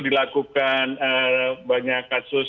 dilakukan banyak kasus